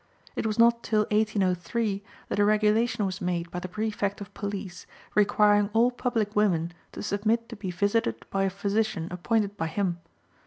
It was not till 1803 that a regulation was made by the prefect of police, requiring all public women to submit to be visited by a physician appointed by him.